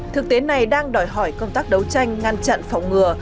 thực tế này đang đòi hỏi công tác đấu tranh ngăn chặn phòng ngừa